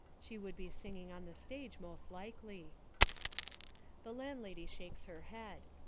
She would be singing on the stage most likely." The landlady shakes her head.